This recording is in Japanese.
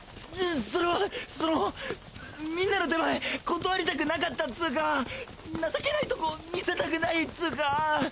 それはその皆の手前断りたくなかったっつか情けないトコ見せたくないっつか。